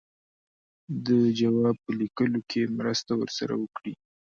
د جواب په لیکلو کې مرسته ورسره وکړي.